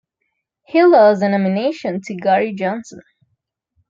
He lost the nomination to Gary Johnson.